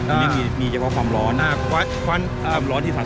มันยังมีเฉพาะความร้อน